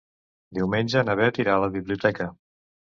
Diumenge na Beth irà a la biblioteca.